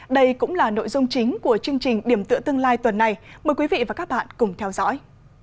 đây cũng là nội dung chính của chương trình điểm tựa tương lai tuần này mời quý vị và các bạn cùng theo dõi